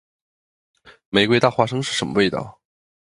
玫瑰大花生是什么味道？